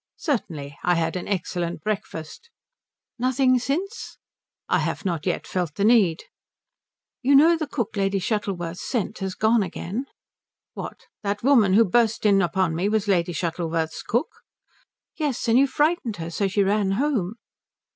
"Certainly. I had an excellent breakfast." "Nothing since?" "I have not yet felt the need." "You know the cook Lady Shuttleworth sent has gone again?" "What, that woman who burst in upon me was Lady Shuttleworth's cook?" "Yes. And you frightened her so she ran home."